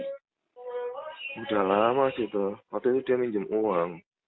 sudah lama sih tania waktu itu dia minjem uang